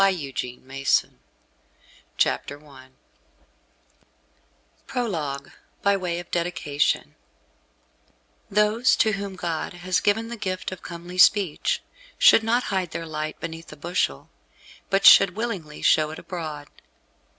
THE CHATELAINE OF VERGI I PROLOGUE BY WAY OF DEDICATION Those to whom God has given the gift of comely speech, should not hide their light beneath a bushel, but should willingly show it abroad.